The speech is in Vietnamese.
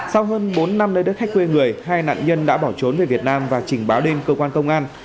sau hơn bốn năm nơi đất khách quê người hai nạn nhân đã bỏ trốn về việt nam và trình báo lên cơ quan công an